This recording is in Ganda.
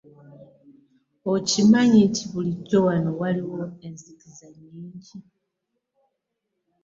Okimanyi nti bulijjo wano waliwo enzikiza nnnnyingi.